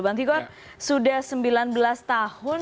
bang tigor sudah sembilan belas tahun